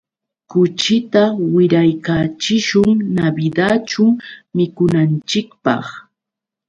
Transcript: Kuchita wiraykachishun Navidadćhu mikunanchikpaq.